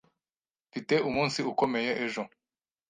Mfite umunsi ukomeye ejo.